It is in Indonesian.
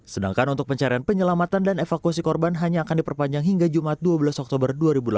sedangkan untuk pencarian penyelamatan dan evakuasi korban hanya akan diperpanjang hingga jumat dua belas oktober dua ribu delapan belas